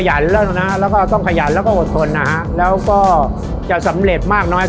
เส้นทางชีวิตของเฮียก็มาจากเด็กต่างจังหวัด